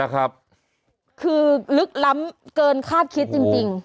คือลึกล้ำเกินคาดคิดจริง